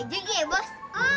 iya juga ya bos